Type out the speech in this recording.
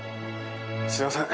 すいません。